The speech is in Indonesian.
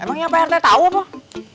emangnya pak rt tau pak